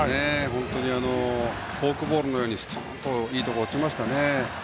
本当にフォークボールのようにすとんといいところに落ちました。